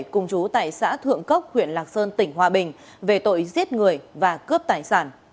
cùng chú tại xã thượng cốc huyện lạc sơn tỉnh hòa bình về tội giết người và cướp tài sản